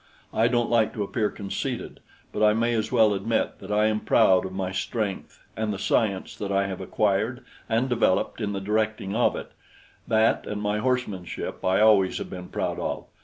I don't like to appear conceited, but I may as well admit that I am proud of my strength and the science that I have acquired and developed in the directing of it that and my horsemanship I always have been proud of.